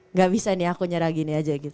nggak bisa nih aku nyerah gini aja gitu